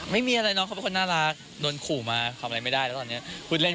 ไม่มีอะไรเนอะเค้าเป็นน่ารักโดนขู่มาทำอะไรไม่ได้แล้วตอนเนี้ย